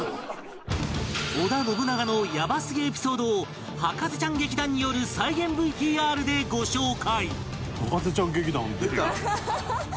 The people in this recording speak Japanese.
織田信長のやばすぎエピソードを博士ちゃん劇団による再現 ＶＴＲ でご紹介